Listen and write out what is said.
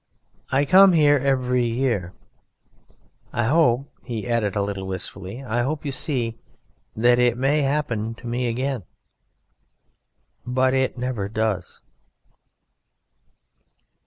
"I come here every year. I hope," he added a little wistfully, "I hope, you see, that it may happen to me again ... but it never does."